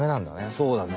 そうだね。